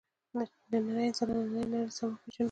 نننی انسان او نننۍ نړۍ سم وپېژنو.